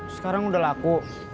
sekarang udah laku